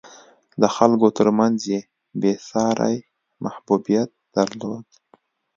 د خلکو ترمنځ یې بېساری محبوبیت درلود.